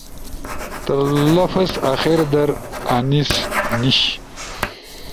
لفظ آخر در ایس نیِش